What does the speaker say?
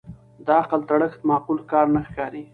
د عقل تړښت معقول کار نه ښکاري